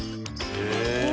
へえ！